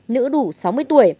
nữ đủ sáu mươi tuổi